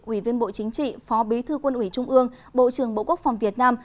ủy viên bộ chính trị phó bí thư quân ủy trung ương bộ trưởng bộ quốc phòng việt nam